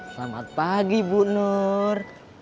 selamat pagi bu nur